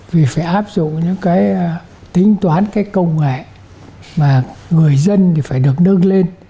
vì phải áp dụng những cái tính toán cái công nghệ mà người dân thì phải được nâng lên